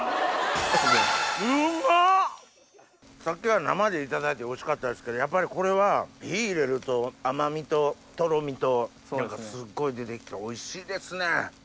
さっきは生でいただいておいしかったですけどやっぱりこれは火入れると甘みととろみとすっごい出て来ておいしいですね！